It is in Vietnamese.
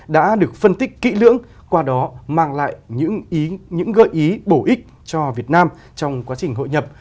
đã được phân tích kỹ lưỡng qua đó mang lại những gợi ý bổ ích cho việt nam trong quá trình hội nhập